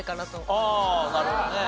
ああなるほどね。